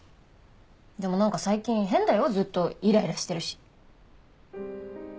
でも何か最近変だよずっとイライラしてるし。